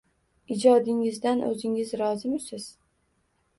– Ijodingizdan o‘zingiz rozimisiz?